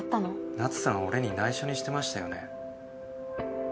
ナツさん俺に内緒にしてましたよね？